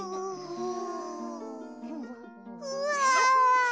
うわ！